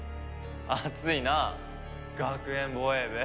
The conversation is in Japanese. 熱いな学園防衛部。